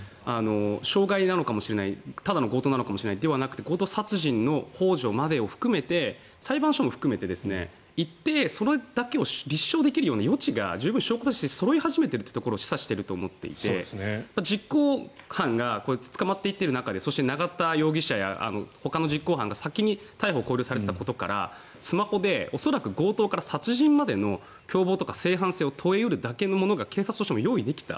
傷害なのかもしれないただの強盗なのかもしれないじゃなくて強盗殺人ほう助ということで裁判所も含めて一定、それだけを立証できる十分証拠としてそろい始めているというところを示唆していると思っていて実行犯が捕まっている中で永田容疑者やほかの実行犯が先に逮捕・勾留されていたことからスマホで恐らく強盗から殺人までの共犯や正犯性を問え得るものが警察としても用意できた。